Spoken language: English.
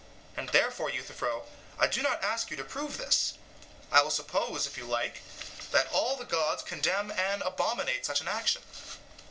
And therefore, Euthyphro, I do not ask you to prove this; I will suppose, if you like, that all the gods condemn and abominate such an action.